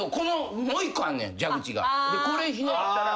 でこれひねったら。